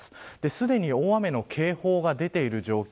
すでに大雨の警報が出ている状況。